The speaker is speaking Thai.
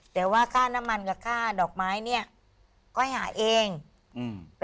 แต่ว่าค่าน้ำมันกับค่าดอกไม้เนี้ยก็ให้หาเองอืม